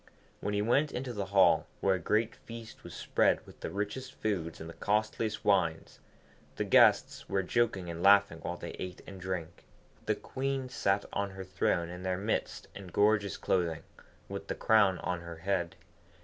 When he went into the hall, where a great feast was spread with the richest foods and the costliest wines, the guests were joking and laughing while they ate and drank. The Queen sat on her throne in their midst in gorgeous clothing, with the crown on her head.